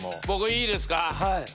僕いいですか？